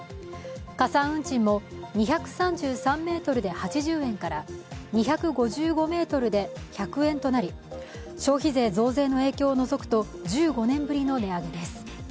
加算運賃も２３３ｍで８０円から２５５ｍで１００円となり消費税増税の影響をのぞくと１５年ぶりの値上げです。